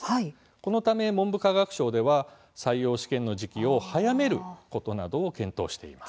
このため、文部科学省では採用試験の時期を早めることなどを検討しています。